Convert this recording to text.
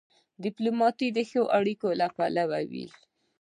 ډيپلومات د ښو اړیکو پلوی وي.